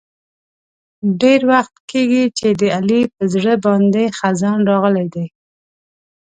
ډېر وخت کېږي چې د علي په زړه باندې خزان راغلی دی.